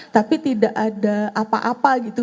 tapi tidak ada apa apa gitu